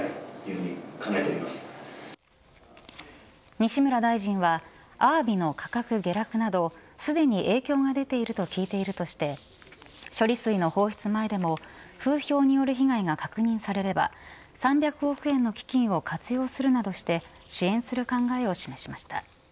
西村大臣はアワビの価格下落などすでに影響が出ていると聞いているとして処理水の放出前でも風評による被害が確認されれば３００億円の基金を活用するなどして支援する考えを示しました。